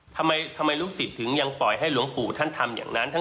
ทำไมลูกศิษย์ถึงยังปล่อยให้หลวงปู่ท่านทำอย่างนั้น